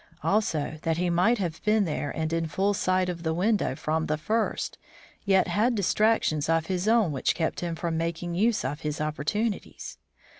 Also, that he might have been there and in full sight of the window from the first, yet had distractions of his own which kept him from making use of his opportunities.